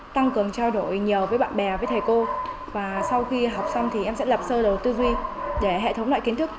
tăng cường trao đổi nhiều với bạn bè với thầy cô và sau khi học xong thì em sẽ lập sơ đầu tư duy để hệ thống lại kiến thức